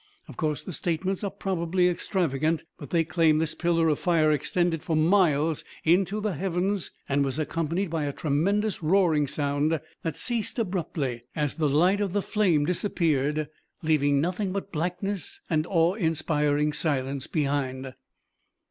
Of course the statements are probably extravagant, but they claim this pillar of fire extended for miles into the heavens and was accompanied by a tremendous roaring sound that ceased abruptly as the light of the flame disappeared, leaving nothing but blackness and awe inspiring silence behind."